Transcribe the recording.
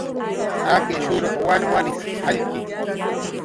"Akishuruq wanwanit"" jallki"